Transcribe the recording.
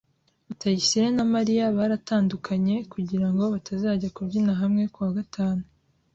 Rutayisire na Mariya baratandukanye, kugirango batazajya kubyina hamwe kuwa gatanu.